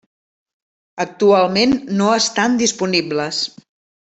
Actualment no estan disponibles.